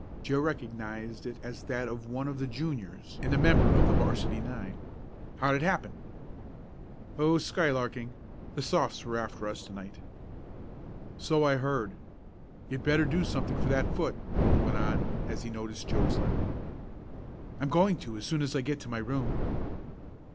Joe recognized it as that of one of the Juniors and a member of the 'varsity nine. "How'd it happen?" "Oh, skylarking. The Sophs. were after us to night." "So I heard. You'd better do something for that foot," he went on, as he noticed Joe's limp. "I'm going to as soon as I get to my room."